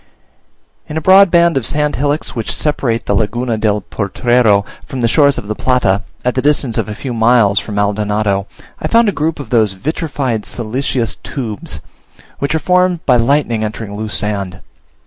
In a broad band of sand hillocks which separate the Laguna del Potrero from the shores of the Plata, at the distance of a few miles from Maldonado, I found a group of those vitrified, siliceous tubes, which are formed by lightning entering loose sand.